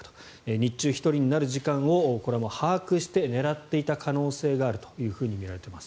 日中、１人になる時間をこれも把握して狙っていた可能性があるとみられています。